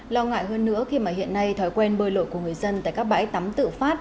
lo ngại hơn nữa khi mà hiện nay thói quen bơi lội của người dân tại các bãi tắm tự phát